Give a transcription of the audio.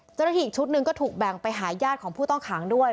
เจ้าหน้าที่อีกชุดหนึ่งก็ถูกแบ่งไปหายาดของผู้ต้องขังด้วย